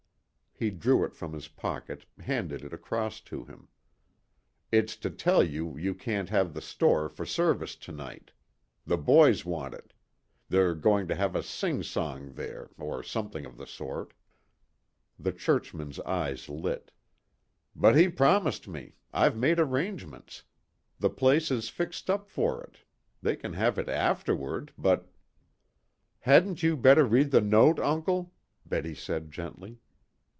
He drew it from his pocket, handed it across to him. "It's to tell you you can't have the store for service to night. The boys want it. They're going to have a singsong there, or something of the sort." The churchman's eyes lit. "But he promised me. I've made arrangements. The place is fixed up for it. They can have it afterward, but " "Hadn't you better read the note, uncle?" Betty said gently.